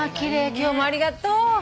今日もありがとう。